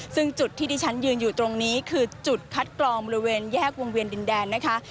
ซึ่งจุดที่ที่ฉันยืนอยู่ตรงนี้คือจุดคัดกรองบริเวณแยกวงเวียนดินแดนนะคะ